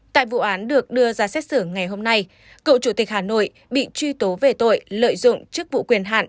tại vụ án được đưa ra xét xử ngày hôm nay cựu chủ tịch hà nội bị truy tố về tội lợi dụng chức vụ quyền hạn